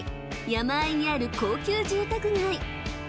［山あいにある高級住宅街］